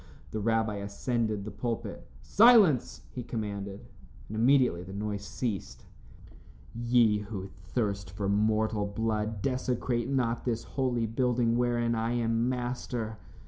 The rabbi ascended the pulpit. "Silence!" he commanded, and immediately the noise ceased. "Ye who thirst for mortal blood, desecrate not this holy building wherein I am master.